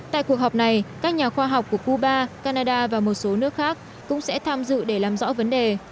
tại cuộc họp này các nhà khoa học của cuba canada và một số nước khác cũng sẽ tham dự để làm rõ vấn đề